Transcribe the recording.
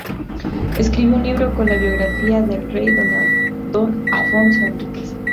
Escribió un libro con la biografía del rey Don Afonso Henriques.